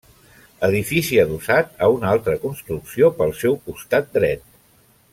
Edifici adossat a una altra construcció pel seu costat dret.